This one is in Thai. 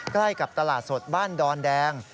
ใกล้กับตลาดสดบ้านดอนแดง